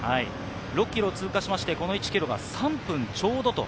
６ｋｍを通過して、この１ｋｍは３分ちょうど。